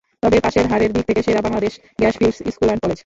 তবে পাসের হারের দিক থেকে সেরা Bangladesh gas fields school and college.